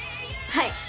はい。